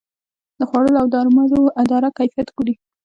د خوړو او درملو اداره کیفیت ګوري